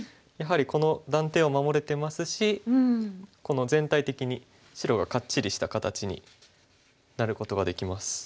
やはりこの断点を守れてますしこの全体的に白がカッチリした形になることができます。